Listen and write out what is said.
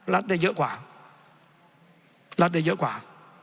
รัฐได้เยอะกว่า